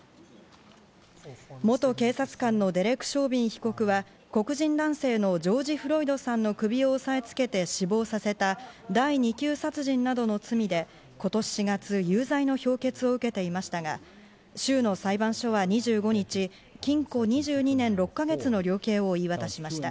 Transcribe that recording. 元警察官のデレク・ショービン被告は黒人男性のジョージ・フロイドさんの首を押さえ付けて死亡させた第２級殺人などの罪で今年４月、有罪の評決を受けていましたが、州の裁判所は２５日、禁錮２２年６か月の量刑を言い渡しました。